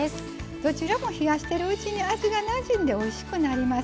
どちらも冷やしているうちに味がなじんでおいしくなります。